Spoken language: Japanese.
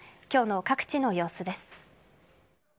今日の各地の様子です。